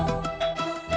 nih aku tidur